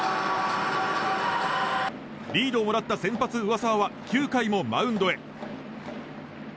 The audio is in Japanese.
リードをもらった先発の上沢は９回もマウンドへ。